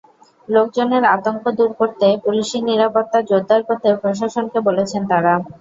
লোকজনের আতঙ্ক দূর করতে পুলিশি নিরাপত্তা জোরদার করতে প্রশাসনকে বলেছেন তাঁরা।